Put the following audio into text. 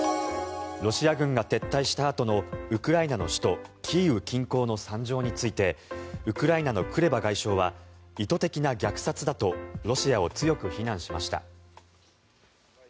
ロシア軍が撤退したあとのウクライナの首都キーウ近郊の惨状についてウクライナのクレバ外相は意図的な虐殺だとロシアを強く非難しました。